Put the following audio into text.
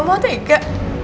mama mau tega